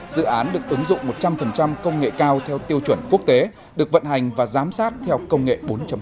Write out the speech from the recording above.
dự án được ứng dụng một trăm linh công nghệ cao theo tiêu chuẩn quốc tế được vận hành và giám sát theo công nghệ bốn